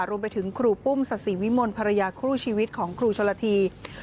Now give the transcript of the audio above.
รวมไปถึงครูปุ้มศัษีวิมนต์ภรรยาคู่ชีวิตของครูชลธีธานทอง